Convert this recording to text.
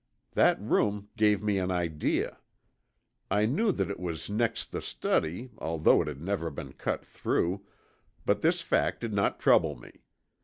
That room gave me an idea. I knew that it was next the study although it had never been cut through, but this fact did not trouble me.